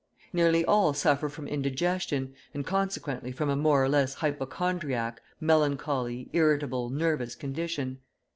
Nearly all suffer from indigestion, and consequently from a more or less hypochondriac, melancholy, irritable, nervous condition.